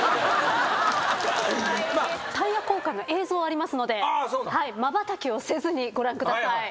タイヤ交換の映像ありますのでまばたきをせずにご覧ください。